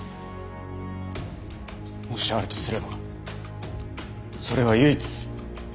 もしあるとすればそれは唯一。